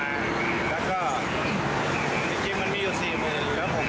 และก็จริงมันมีอยู่๔เมื่อ